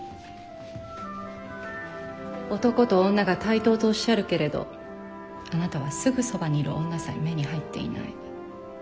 男と女が対等とおっしゃるけれどあなたはすぐそばにいる女さえ目に入っていない。